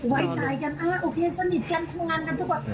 ไว้ใจกันโอเคสนิทกันทำงานกันทุกวัน